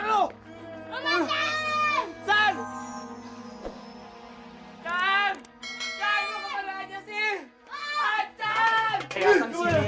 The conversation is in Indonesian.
lu kemana aja sih